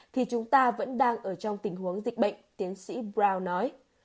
thì chúng ta vẫn đang ở trong tình huống dịch bệnh tiến sĩ brown nói